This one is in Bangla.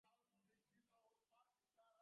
বিচলিত হয় না, দিশেহারা হয় না।